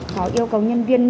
có yêu cầu nhân viên nên